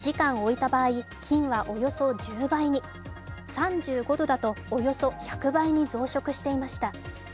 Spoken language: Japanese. ２５度で２時間置いた場合、菌はおよそ１０倍に、３５度だとおよそ１００倍に増殖していました。